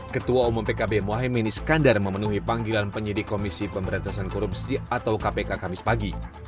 ketua umum pkb mohaimin iskandar memenuhi panggilan penyidik komisi pemberantasan korupsi atau kpk kamis pagi